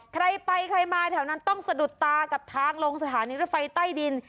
ใครไปใครมาแถวนั้นต้องสะดุดตากับทางลงสถานีรถไฟใต้ดิน